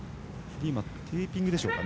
今、テーピングでしょうか。